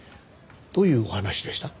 どういうお話でした？